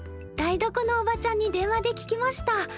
台所のおばちゃんに電話で聞きました。